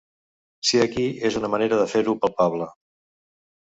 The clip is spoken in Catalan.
Ser aquí és una manera de fer-ho palpable.